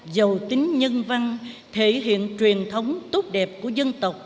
giàu tính nhân văn thể hiện truyền thống tốt đẹp của dân tộc